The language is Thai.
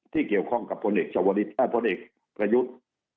ที่เกี่ยวข้องกับผลเอกชวนฤทธิ์ผลเอกประยุทธิ์